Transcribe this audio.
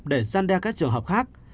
để săn đe các trường hợp khác